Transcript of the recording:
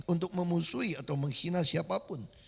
untuk memusuhi atau menghina siapapun